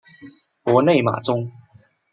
博内马宗。